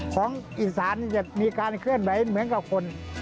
ของอีสานจะมีการเคลื่อนไหวเหมือนกับคน